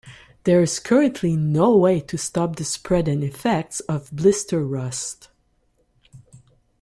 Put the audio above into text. There is currently no way to stop the spread and effects of blister rust.